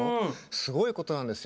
すごいことなんですよ。